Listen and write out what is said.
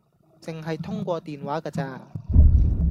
淨係通過電話架咋